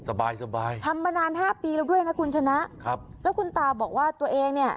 สบายสบายทำมานานห้าปีแล้วด้วยนะคุณชนะครับแล้วคุณตาบอกว่าตัวเองเนี่ย